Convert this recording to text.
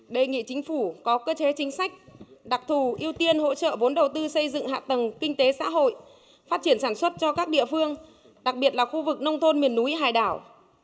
đề nghị chính phủ có cơ chế chính sách đặc thù ưu tiên hỗ trợ vốn đầu tư xây dựng hạ tầng kinh tế xã hội phát triển sản xuất cho các địa phương đặc biệt là khu vực nông thôn miền núi hải đảo